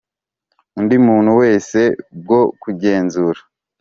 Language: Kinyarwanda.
undi muntu wese bwo kugenzura